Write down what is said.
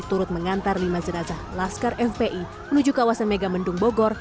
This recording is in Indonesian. turut mengantar lima jenazah laskar fpi menuju kawasan megamendung bogor